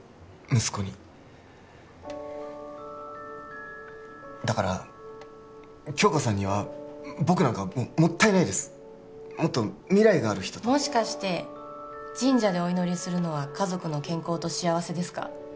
息子にだから杏花さんには僕なんかもったいないですもっと未来がある人ともしかして神社でお祈りするのは家族の健康と幸せですか？